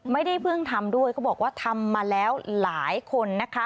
ไม่ได้เพิ่งทำด้วยเขาบอกว่าทำมาแล้วหลายคนนะคะ